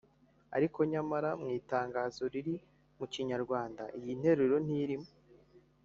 ” Ariko nyamara mu itangazo riri mu Kinyarwanda iyi nteruro ntirimo